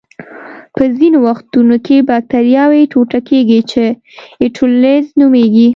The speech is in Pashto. په ځینو وختونو کې بکټریاوې ټوټه کیږي چې اټولیزس نومېږي.